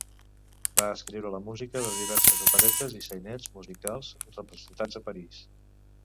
Va escriure la música de diverses operetes i sainets musicals representats a París.